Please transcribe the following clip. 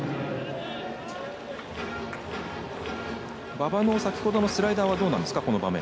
馬場の先ほどのスライダーはどうなんですか。